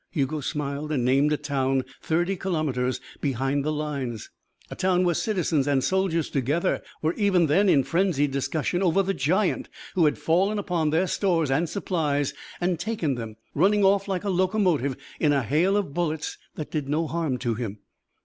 Hugo smiled and named a town thirty kilometres behind the lines. A town where citizens and soldiers together were even then in frenzied discussion over the giant who had fallen upon their stores and supplies and taken them, running off like a locomotive, in a hail of bullets that did no harm to him.